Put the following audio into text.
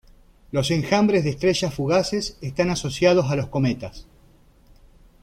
Los enjambres de estrellas fugaces están asociados a los cometas.